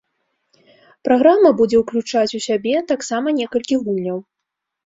Праграма будзе ўключаць у сябе таксама некалькі гульняў.